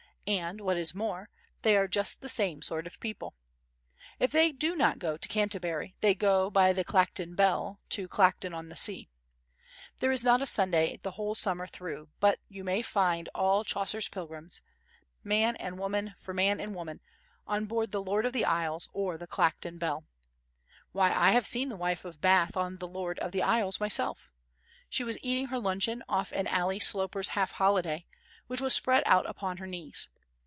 And, what is more, they are just the same sort of people. If they do not go to Canterbury they go by the Clacton Belle to Clacton on Sea. There is not a Sunday the whole summer through but you may find all Chaucer's pilgrims, man and woman for man and woman, on board the Lord of the Isles or the Clacton Belle. Why, I have seen the Wife of Bath on the Lord of the Isles myself. She was eating her luncheon off an Ally Sloper's Half Holiday, which was spread out upon her knees.